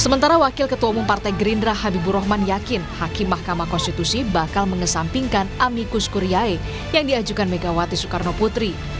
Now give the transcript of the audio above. sementara wakil ketua umum partai gerindra habibur rahman yakin hakim mahkamah konstitusi bakal mengesampingkan amikus kuriae yang diajukan megawati soekarno putri